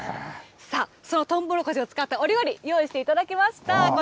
さあ、そのとうもろこしを使ったお料理、用意していただきました。